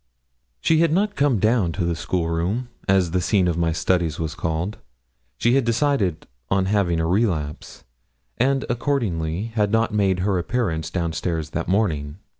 She had not come down to the school room, as the scene of my studies was called. She had decided on having a relapse, and accordingly had not made her appearance down stairs that morning.